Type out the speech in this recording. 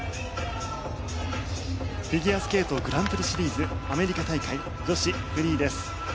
フィギュアスケートグランプリシリーズアメリカ大会女子フリーです。